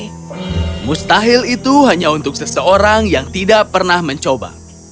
sangat mustahil bagi seseorang yang tidak pernah mencoba